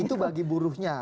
itu bagi buruhnya